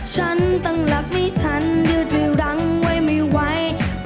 ฉันต้องรักไม่ทันเดี๋ยวจะรังไว้ไม่ไหว